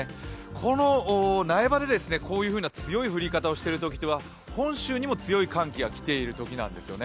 この苗場でこういう強い降り方をしているときは本州にも強い寒気がきているときなんですよね。